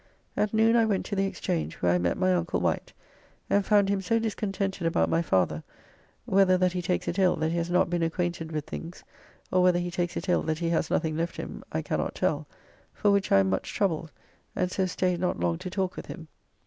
At noon I went to the Exchange, where I met my uncle Wight, and found him so discontented about my father (whether that he takes it ill that he has not been acquainted with things, or whether he takes it ill that he has nothing left him, I cannot tell), for which I am much troubled, and so staid not long to talk with him.